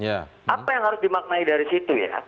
apa yang harus dimaknai dari situ ya